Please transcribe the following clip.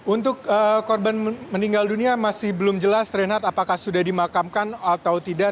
untuk korban meninggal dunia masih belum jelas renat apakah sudah dimakamkan atau tidak